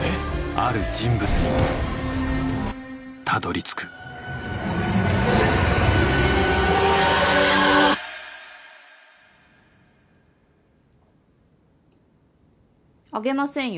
ある人物にたどり着くあげませんよ？